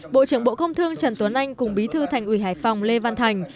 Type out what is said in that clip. bộ trưởng bộ công thương trần tuấn anh cùng bí thư thành ủy hải phòng lê văn thành